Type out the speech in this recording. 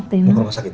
kamu kurang sakit